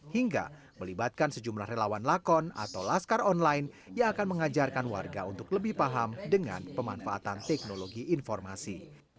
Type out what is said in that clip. hingga melibatkan sejumlah relawan lakon atau laskar online yang akan mengajarkan warga untuk lebih paham dengan pemanfaatan teknologi informasi